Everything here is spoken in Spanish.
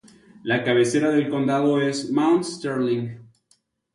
La cabecera del condado es Mount Sterling.